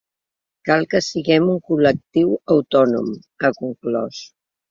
Cal que siguem un col·lectiu autònom, ha conclòs.